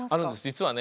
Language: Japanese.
実はね